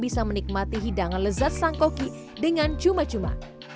bisa menikmati hidangan lezat sang koki dengan cuma cuma